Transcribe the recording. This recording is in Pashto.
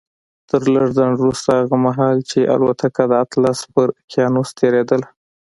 تر لږ ځنډ وروسته هغه مهال چې الوتکه د اطلس پر اقيانوس تېرېدله.